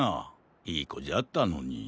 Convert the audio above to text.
いいこじゃったのに。